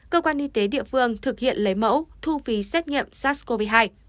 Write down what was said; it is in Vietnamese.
cơ quan y tế địa phương thực hiện lấy mẫu thu phí xét nghiệm sars cov hai